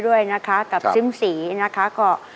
โดยที่ไว้ด้วยนะคะกันซิ้มสีนะครับ